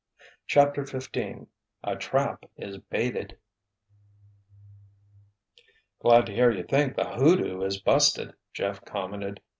CHAPTER XV A TRAP IS BAITED "Glad to hear you think the hoodoo is busted," Jeff commented.